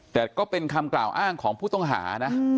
แต่ก็เป็นคำกล่าวอ้างของผู้ต้องหานะ